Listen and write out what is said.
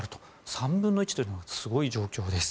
３分の１とはすごい状況です。